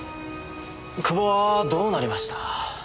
久保はどうなりました？